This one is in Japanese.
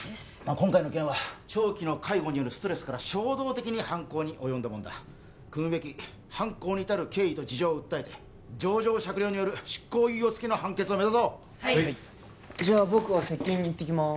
今回の件は長期の介護によるストレスから衝動的に犯行に及んだくむべき犯行にいたる経緯と事情を訴えて情状酌量による執行猶予付きの判決を目指そうじゃあ僕は接見に行ってきます